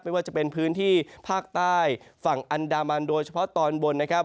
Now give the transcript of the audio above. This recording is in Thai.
ไม่ว่าจะเป็นพื้นที่ภาคใต้ฝั่งอันดามันโดยเฉพาะตอนบนนะครับ